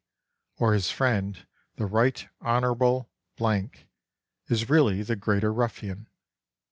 or his friend the Right Honourable is really the greater ruffian.